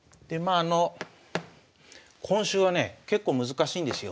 あの今週はね結構難しいんですよ